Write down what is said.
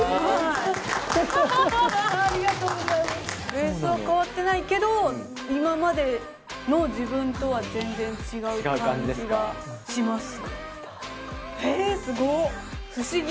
ベースは変わってないけど今までの自分とは全然違う感じがします。